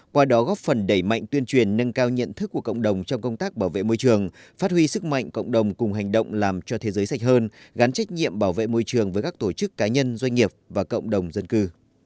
qua đó góp phần đẩy mạnh tuyên truyền nâng cao nhận thức của cộng đồng trong công tác bảo vệ môi trường phát huy sức mạnh cộng đồng cùng hành động làm cho thế giới sạch hơn gắn trách nhiệm bảo vệ môi trường với các tổ chức cá nhân doanh nghiệp và cộng đồng dân cư